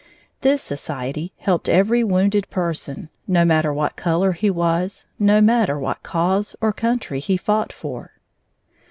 This society helped every wounded person, no matter what color he was, no matter what cause or country he fought for.